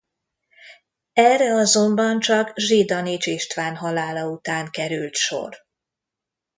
Erre azonban csak Zsidanics István halála után került sor.